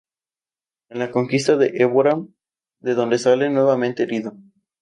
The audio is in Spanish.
En la conquista de Évora, de donde sale nuevamente herido.